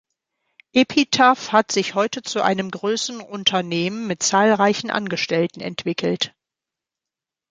Epitaph hat sich heute zu einem größeren Unternehmen mit zahlreichen Angestellten entwickelt.